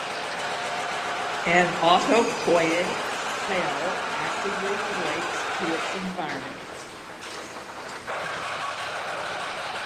An autopoietic cell actively relates to its environment.